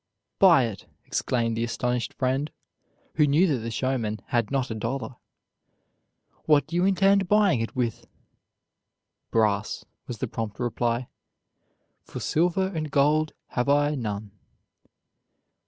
"Buy it!" exclaimed the astonished friend, who knew that the showman had not a dollar; "what do you intend buying it with?" "Brass," was the prompt reply, "for silver and gold have I none."